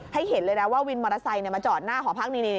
เห็นเลยนะว่าวินมอเตอร์ไซค์มาจอดหน้าหอพักนี่